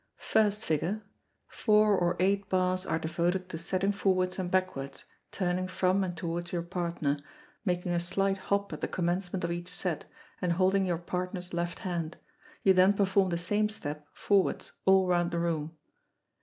First Figure. Four or eight bars are devoted to setting forwards and backwards, turning from and towards your partner, making a slight hop at the commencement of each set, and holding your partner's left hand; you then perform the same step (forwards) all round the room.